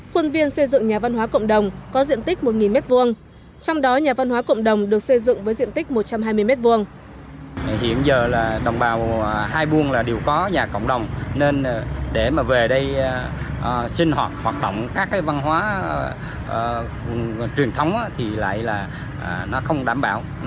quân viên xây dựng nhà văn hóa cộng đồng có diện tích một m hai trong đó nhà văn hóa cộng đồng được xây dựng với diện tích một trăm hai mươi m hai